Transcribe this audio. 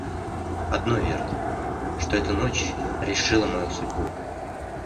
Одно верно, что эта ночь решила мою судьбу.